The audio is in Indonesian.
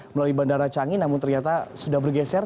melalui bandara canggih namun ternyata sudah bergeser